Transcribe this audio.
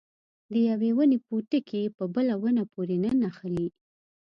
د یوې ونې پوټکي په بله ونه پورې نه نښلي.